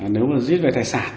nếu mà giết về tài sản